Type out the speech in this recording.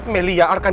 melia arkan ini